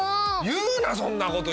言うなそんなこと！